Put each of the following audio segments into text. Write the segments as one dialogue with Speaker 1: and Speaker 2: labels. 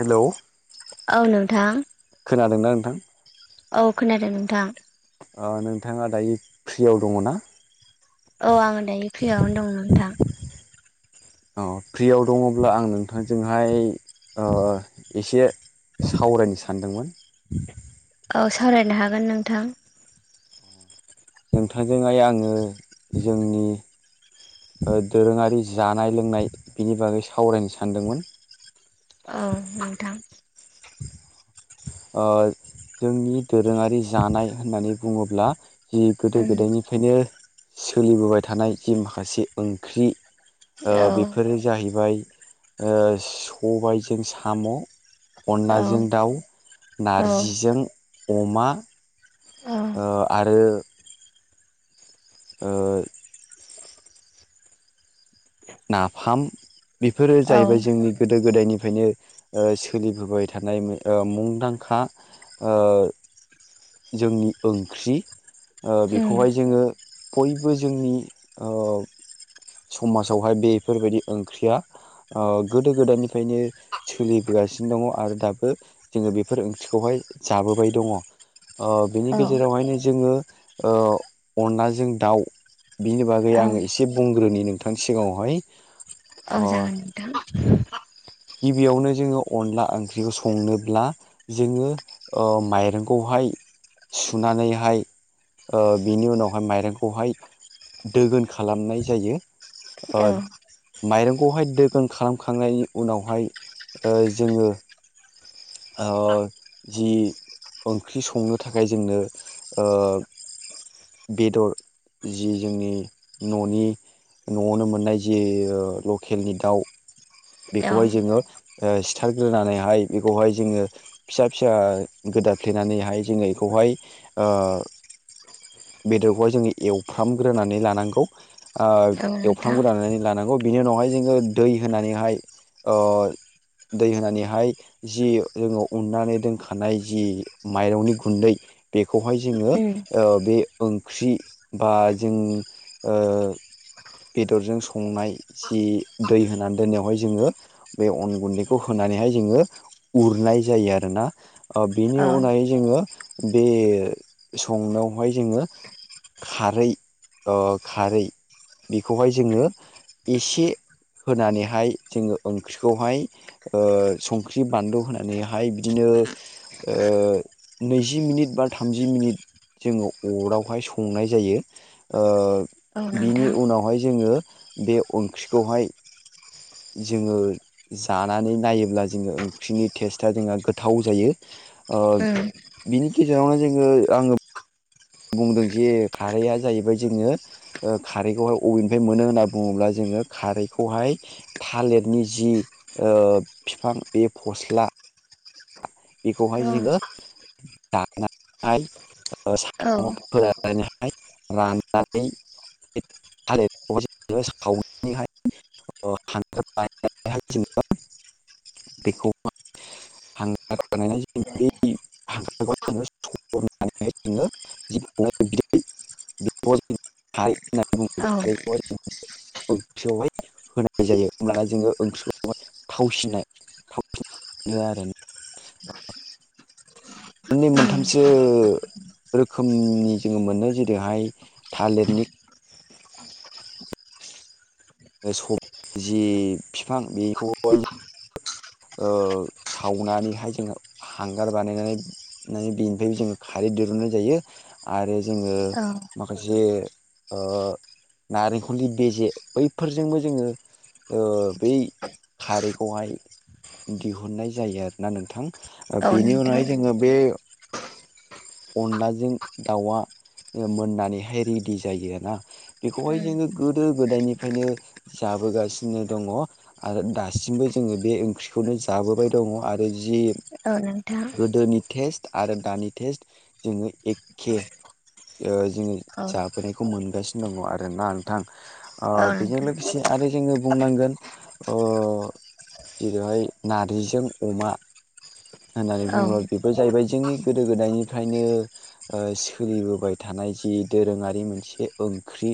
Speaker 1: हेल'
Speaker 2: औ नोंथां।
Speaker 1: खोनादोंना नोंथां?
Speaker 2: औ खोनादों नोंथां।
Speaker 1: अ नोंथाङा दायो फ्रियाव दङ ना?
Speaker 2: औ आङो दायो फ्रियावनो दं नोंथां।
Speaker 1: अ फ्रियाव दङब्ला आं नोंथांजोंहाय अ एसे सावरायनो सानदोंमोन।
Speaker 2: औ सावरायनो हागोन नोंथां।
Speaker 1: नोंथांजोंहाय आङो जोंनि ओ दोरोङारि जानाय लोंनाय बिनि बागै सावरायनो सानदोंमोन।
Speaker 2: औ नोंथां
Speaker 1: आ जोंनि दोरोङारि जानाय होननानै बुङोब्ला जि गोदो
Speaker 2: उम
Speaker 1: गोदायनिफ्रायनो सोलिबोबाय थानाय जे माखासे ओंख्रि ओ
Speaker 2: औ
Speaker 1: बेफोरो जाहैबाय ओ सबायजों साम'
Speaker 2: औ
Speaker 1: अनलाजों दाउ
Speaker 2: औ
Speaker 1: नारजिजों अमा
Speaker 2: औ
Speaker 1: ओ आरो ओ नाफाम बेफोरो
Speaker 2: औ
Speaker 1: जाहैबाय जोंनि गोद गोदो गोदायनिफ्रायनो सोलिबोबाय थानाय मुंदांखा ओ जोंनि ओंख्रि ओ
Speaker 2: उम
Speaker 1: बेखौहाय जोङो बयबो जोंनि ओ समाजावहाय बेफोरबायदि ओंख्रिया ओ गोदो गोदायनिफ्रायनो सोलिबोगा सिनो दङ आरो दाबो जोङो बेफोर ओंख्रिखौहाय जाबोबाय दङ ओ बेनि
Speaker 2: औ
Speaker 1: गेजेरावहायनो जोङो ओ अनलाजों दाउ बिनि बागै
Speaker 2: औ
Speaker 1: आङो एसे बुंग्रोनि नोंथांनि सिगाङावहाय अ
Speaker 2: औ जागोन नोंथां
Speaker 1: गिबियावनो जोङो अनला ओंख्रिखौ संनोब्ला जोङो ओ माइरंखौहाय सुनानैहाय ओ बिनि उनावहाय माइरंखौहाय दोगोन खालामनाय जायो ओ
Speaker 2: औ
Speaker 1: माइरंखौहाय दोगोन खालामखांनायनि उनावहाय ओ जोङो जि ओंख्रि संनो थाखाय जोंनो ओ बेदर जि जोंनि न'नि न'आवनो मोननाय जे लकेलनि दाउ
Speaker 2: औ
Speaker 1: बेखौहाय जोङो सिथारग्रोनानैहाय बेखौहाय जोङो फिसा फिसा दाफ्लेनानैहाय जोङो एखौहाय बेदरखौहाय जोङो एवफ्रामग्रोनानै लानांगौ ओ
Speaker 2: औ नोंथां
Speaker 1: एवफ्रामखौ दानानै लानांगौ बिनि उनावहाय जोङो दै होनानैहाय ओ दै होनानैहाय जि जोङो उननानै दोनखानाय जि माइरंनि गुन्दै बेखौ खौहाय जोङो
Speaker 2: उम
Speaker 1: बे ओंख्रि बा जों ओ बेदरजों संनाय जि दै होनानै दोननायावहाय जोङो बे अन गुन्दैखौ होनानै हाय जोङो उरनाय जायो आरोना ओ
Speaker 2: औ
Speaker 1: बेनि उनावाय जोङो बे संनायावहाय जोङो खारै ओ खारै बेखौहाय जोङो एसे होनानैहाय जोङो ओंख्रिखौहाय ओ संख्रि बानलु होनानैहाय बिदिनो ओ नैजि मिनिट बा थामजि मिनिट जोङो अरावहाय संनाय जायो ओ
Speaker 2: औ
Speaker 1: बिनि
Speaker 2: नोंथां
Speaker 1: उनावहाय जोङो बे ओंख्रिखौहाय जोङो जानानै नायोब्ला जोङो ओंख्रिनि टेस्टआ जोंहा गोथाव जायो
Speaker 2: ओं
Speaker 1: बिनि गेजेरावनो जोङो आङो बुंदों जे खारैआ जाहैबाय जोङो खारैखौहाय अभेननिफ्राय मोनो होनना बुङोब्ला जों नोङो खारैखौहाय थालिरनि जि बिफां बे फस्ला
Speaker 2: औ
Speaker 1: बेखौहाय जोङो दानानै
Speaker 2: औ।
Speaker 1: हाय राननानै थालिर [unintelligible] [unintelligible] हांगार बानायनाय जायो [unintelligible] जोङो [unintelligible] ओंख्रियावहाय
Speaker 2: औ
Speaker 1: होनाय जायो होमब्लाना जोङो ओंख्रिखौहाय थावसिनाय थांफिनदो आरो
Speaker 2: [inaudible]
Speaker 1: मोनै मोनथामसो रोखोमनि जोङो मोनो जेरैहाय थालिरनि जि बिफां बेखौह ओ सावनानैहाय जोङो हांगार बानायनानै बेनिफ्रायबो जोङो खारै दिरुन जायो आरो जोङो माखासे ओ नारेंखलनि बेजे बै फोरजोंबो जोङो ओ बै खारैखौहाय दिहुननाय जायो आरोना नोंथां
Speaker 2: औ
Speaker 1: बेनि
Speaker 2: नोंथां
Speaker 1: उनावहाय जोङो बे अनलाजों दाउआ मोननानैहाय रेडि जायो ना बेखौहाय
Speaker 2: उम
Speaker 1: जोङो गोदो गोदायनिफ्रायनो जा जाबोगासिनो दङ आरो दासिमबो जोङो बे ओंख्रिखौनो जाबोबाय दङ आरो जि
Speaker 2: ओ नोंथां।
Speaker 1: गोदोनि टेस्ट आरो दानि टेस्ट जोङो एखे ओ जोङो
Speaker 2: औ
Speaker 1: जाबोनायखौ मोनगासिनो दङ आरो ना नोंथां ओ
Speaker 2: औ
Speaker 1: बेजों
Speaker 2: नोंथां
Speaker 1: लोगोसे आरो जोङो बुंनांगोन अ जेरैहाय नारजिजों अमा। होननानै
Speaker 2: औ
Speaker 1: बुङो बेबो जाहैबाय जोंनि गोदो गोदायनि बेनिखायनो ओ सोलिबोबाय थानाय जि दोरोङारि मोनसे ओंख्रि।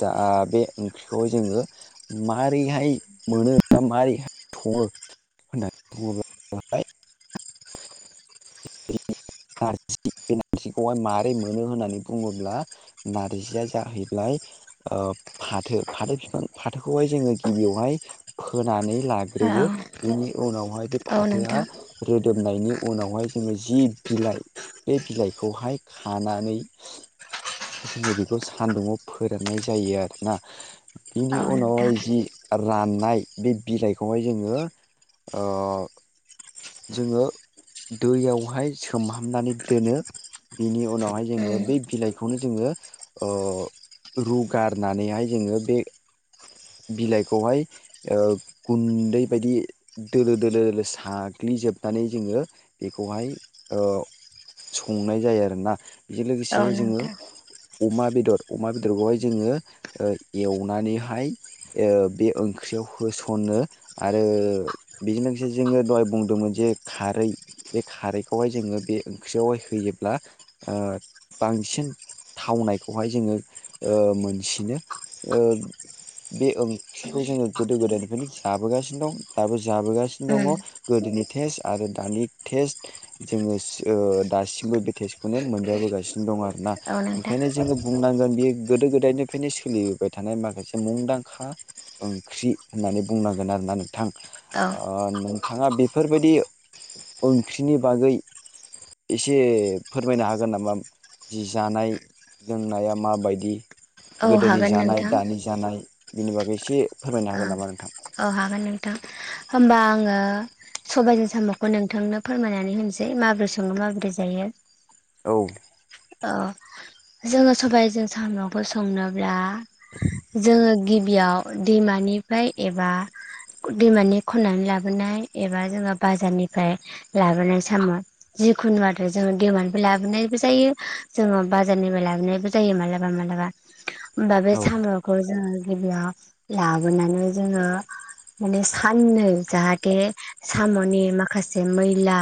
Speaker 1: जा बे ओंख्रिखौहाय जोङो मारैहाय मोनो बा मारैहाय सङो? बु होनना बुङोब्लाहाय [unintelligible] बे नारजिखौहाय मारै मोनो होननानै बुङोब्ला नारजिया जाहैबाय ओ फाथो फाथो बिफां फाथोखौहाय जोङो गिबियावहाय फोनानै
Speaker 2: औ
Speaker 1: लाग्रोयो बि नि उनावहाय बे
Speaker 2: औ
Speaker 1: फाथोआ
Speaker 2: नोंथां
Speaker 1: रोदोमनायनि उनावहाय जोङो जि बिलाइ बे बिलाइखौहाय खानानै जोङो बेखौ सान्दुंङाव फोराननाय जायो आरोना बिनि
Speaker 2: औ
Speaker 1: उनावहाय
Speaker 2: नोंथां
Speaker 1: जि राननाय बे बिलाइखौहाय जोङो ओ जोङो दैयावहाय सोमहामनानै दोनो। बिनि उनावहाय जोङो
Speaker 2: उम
Speaker 1: बै बिलाइखौनो जोङो ओ रुगारनानैहाय जोङो बे बिलाइखौहाय ओ गुन्दै बायदि दोलो दोलो दोलो साग्लि जोबनानै जोङो बेखौहाय ओ संनाय जायो आरोना। बेजों लोगोसे
Speaker 2: औ
Speaker 1: जोङो
Speaker 2: नोंथां
Speaker 1: अमा बेदर अमा बेदरखौहाय जोङो एवनानैहाय ओ बे ओंख्रियाव होसनो आरो बेजों लोगोसे जोङो दहाय बुंदोंमोन जे खारै बे खारैखौहाय जोङो बे ओंख्रियावहाय होयोब्ला ओ बांसिन थावनायखौहाय जोङो मोनसिनो ओ बे ओंख्रिखौ जोङो गोदो गोदायनिफ्रायनो जाबोगासिनो दं दाबो ज जाबोगासिनो
Speaker 2: उम
Speaker 1: दङ गोदोनि टेस्ट आरो दानि टेस्ट जोङो दासिमबो बे टेस्टखौनो मोनजाबोगासिनो दं आरोना‌।
Speaker 2: औ नोंथां
Speaker 1: ओंखायनो जोङो बुंनांगोन बेयो गोदो गोदायनिफ्रायनो सोलिबोबाय थानाय माखासे मुंदां खा ओंख्रि होननानै बुंनांगोन आरोना नोंथां।
Speaker 2: औ
Speaker 1: ओ नोंथाङा बेफोरबायदि ओंख्रिनि बागै एसे फोरमायनो हागोन नामा? जि जानाय लोंनाया माबायदि
Speaker 2: औ
Speaker 1: गोदोनि
Speaker 2: हागोन
Speaker 1: जानाय
Speaker 2: नोंथां
Speaker 1: दानि जानाय। बिनि बागै एसे फोरमायनो हागोन नामा नोंथां
Speaker 2: औ औ हागोन नोंथां। होमबा आङो अ सबबायजों साम'खौ नोंथांनो फोरमायनानै होनसै माबोरै सङो माबोरै जायो।
Speaker 1: औ।
Speaker 2: औ जोङो सबाइजों साम'खौ संनोब्ला जोङो गिबियाव दैमानिफ्राय एबा दैमानि खन्नानै लाबोनाय एबा जोङो बाजारनिफ्राय लाबोनाय साम' जिखुनु आरो जोङो दैमानिफ्राय लाबोनायबो जायो जोङो बाजारनिफ्राय लाबोनायबो जायो मालाबा मालाबा होमबा बे
Speaker 1: औ
Speaker 2: साम'खौ जोङो जेब्ला लाबोनानै जोङो माने साननै जाहाथे साम'नि माखासे मैला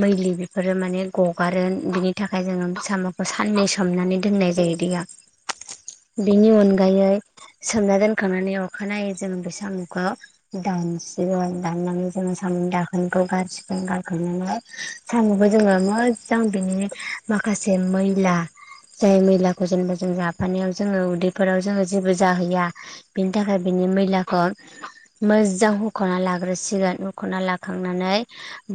Speaker 2: मैलि बेफोरो माने गगारो बिनि थाखाय जोङो साम'खौ साननै सोमनानै दोननाय जायो दैया। बेनि अनगायै सोमना दोनखांनानै अखानायै जोङो बे साम'खौ दानसिगोन। दाननानै जोङो साम दाखोनखौ गारसिगोन गारखांनानै साम'खो जोङो मोजां बिनिनो माखा खासे मैला जाय मैलाखौ जेनेबा जों जाफानायाव जोङो उदैफोराव जोङो जेबो जाहैया बिनि थाखाय बि नि मैलाखौ मोजां हुखनानै लाग्रोसिगोन हुखना लाखांनानै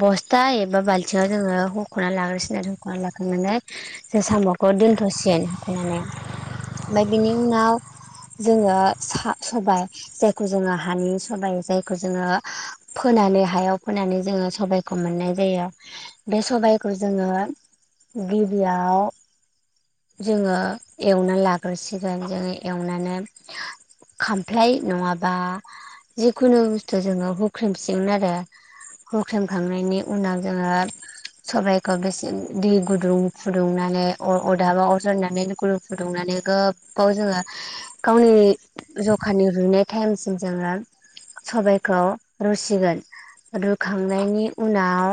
Speaker 2: बस्था एबा बालथिङआव जोङो हुख'ना लाग्रोसिगोन आरो हुख'ना लाखांनानै जों साम'खौ दोनथ'सिगोन होथेनानै ओमफफ्राय बिनि उनाव जोङो सा सबाय जायखौ जोङो हानि सबायाइ जायखौ जोङो फोना माने हायाव फोनानै जोङो सबाइखौ मोननाय जायो बे सबाइखौ जोङो
Speaker 1: [inaudible]
Speaker 2: गिबियाव जोङो एवना लाग्रोसिगोन। जोङो एवनानै खामफ्लाय नङाबा जिखुनु बुस्थु जोङो हुख्रेमसिगोन आरो। हुख्रेमखांनायनि उनाव जोङो सबाइखौ बेसे दि गुदुं फुदुंनानै अ अरदाबाव अर जरायनानै गुदुं फुदुंनानै गोबाव जोङो गावनि जखानि रुइनाय टाइमसिम जोङो सबाइखौ रुसिगोन रुखांनायनि उनाव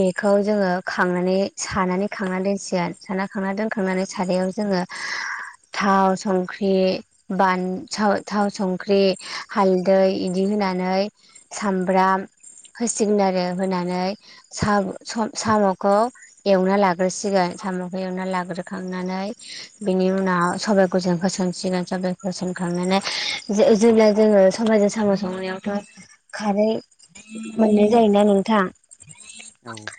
Speaker 2: बेखौ जोङो खांनानै सानानै खांना दोनसिगोन। साना खांना दोनखांनानै सारायाव जोङो थाव संख्रि बान थाव थाव संख्रि हालदै इदि होनानै सामब्राम होसिगोन आरो होनानै सा स साम'खौ एवना लाग्रोसिगोन साम'खौ एवना लाग्रोखांनानै बिनि उनाव सबाइखौ जों होसन गोन सबायखौ होसनखांनानै जेब्ला जोङो सबायजों साम' संनायावथ खारै मोननाय जायोना नोंथां?
Speaker 1: औ।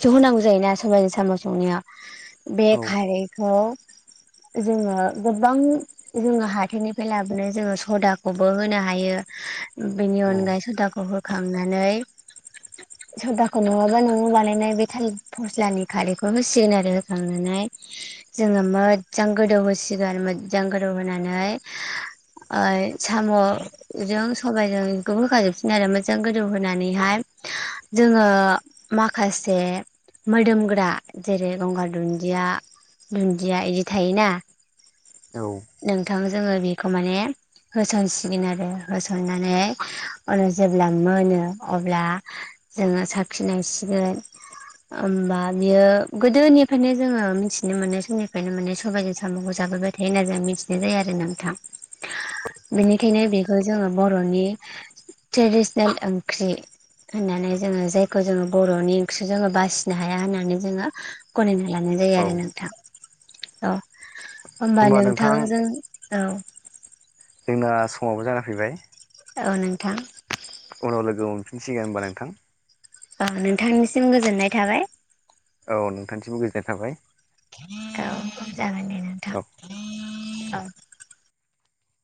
Speaker 2: खौथ' होनांगौ जायोना सबबायजों साम' संनायाव बे
Speaker 1: औ
Speaker 2: खारैखौ
Speaker 1: [inaudible]
Speaker 2: जोङो गोबां जोङो हाथायनिफ्राय लाबोनाय जोङो सदाखौबो होनो हायो। बिनि
Speaker 1: औ
Speaker 2: अनगायै सदाखौबो खांनानै सदाखौ नङाबा न'आव बानायनाय बे थालिर फस्लानि खारैखौ होसिगोन आरो होखांनानै जोङो मोजां गोदौ होसिगोन मोजां गोदौ होनानै ओइ साम'जों सबायाइजों बेखौ होखाजोबसिन आरो मोजां गोदौहोनानैहाय जोङो माखासे मोदोमग्रा जेरै गंगार दुन्दिया दुन्दिया बिदि थायोना
Speaker 1: औ
Speaker 2: नोंथां जोङो बेखौ माने होसनसिगोन आरो होसननानै उनाव जेब्ला मोनो अब्ला जोङो साखिनायसिगोन
Speaker 1: [inaudible]
Speaker 2: होमबा बियो गोदोनिफ्रायनो जोङो मिथिनो मोननाय समनिफ्रायनो माने सबायाइजों सामखौ जाबोबाय होनना जों मिथिनाय जायो आरो नोंथां बेनिखायनो बेखौ जोङो बरनि ट्रेडिसनेल ओंख्रि होननानै जोङो जायखौ जोङो बर'नि ओंख्रि जोङो बासिनो फनो हाया होननानै जोङो गनायना लानाय जायो
Speaker 1: औ
Speaker 2: आरो नोंथां अ होनबा
Speaker 1: होमबा नोंथां
Speaker 2: नोंथांजों औ
Speaker 1: जोंना समावबो जाना फैबाय
Speaker 2: औ नोंथां
Speaker 1: उनाव लोगो मोनफिनसिगोन होनोमबा नोंथां
Speaker 2: नोंथांनिसिम गोजोननाय थाबाय
Speaker 1: औ नोंथांसिमबो गोजोननाय थाबाय
Speaker 2: औ जागोन दे नोंथां औ